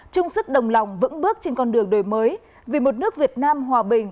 chung sức đồng lòng vững bước trên con đường đổi mới vì một nước việt nam hòa bình